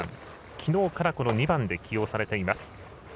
きのうから２番で起用されています。